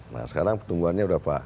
nah sekarang pertumbuhannya berapa